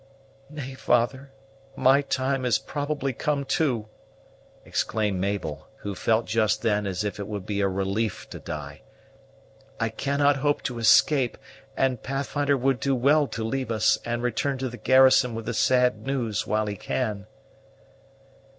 "Nay, father, my time has probably come too," exclaimed Mabel, who felt just then as if it would be a relief to die. "I cannot hope to escape; and Pathfinder would do well to leave us, and return to the garrison with the sad news while he can."